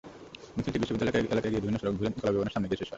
মিছিলটি বিশ্ববিদ্যালয় এলাকার বিভিন্ন সড়ক ঘুরে কলাভবনের সামনে গিয়ে শেষ হয়।